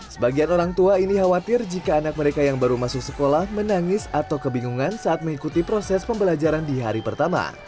sebagian orang tua ini khawatir jika anak mereka yang baru masuk sekolah menangis atau kebingungan saat mengikuti proses pembelajaran di hari pertama